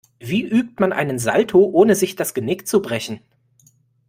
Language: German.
Wie übt man einen Salto, ohne sich das Genick zu brechen?